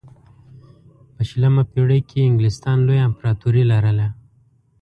په شلمه پېړۍ کې انګلستان لویه امپراتوري لرله.